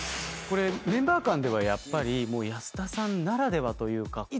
メンバー間ではやっぱり安田さんならではというか。